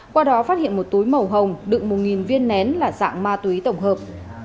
qua đó phát hiện một túi màu hồng đựng một viên nén là dạng ma túy tổng hợp